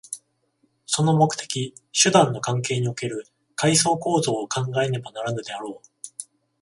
その目的・手段の関係における階層構造を考えねばならぬであろう。